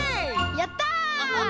やった！